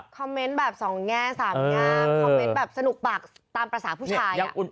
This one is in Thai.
แบบสองแง่สามแง่มคอมเมนต์แบบสนุกปากตามภาษาผู้ชาย